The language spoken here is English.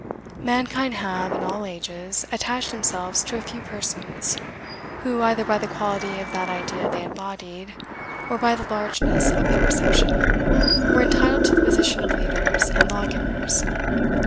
Mankind have, in all ages, attached themselves to a few persons, who, either by the quality of that idea they embodied, or by the largeness of their reception, were entitled to the position of leaders and law givers.